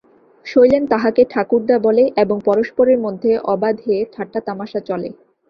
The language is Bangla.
শৈলেন তাঁহাকে ঠাকুরদা বলে, এবং পরস্পরের মধ্যে অবাধে ঠাট্টাতামাশা চলে।